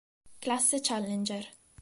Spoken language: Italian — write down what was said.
Classe Challenger